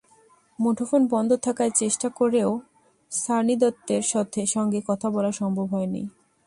মুঠোফোন বন্ধ থাকায় চেষ্টা করেও সানি দত্তের সঙ্গে কথা বলা সম্ভব হয়নি।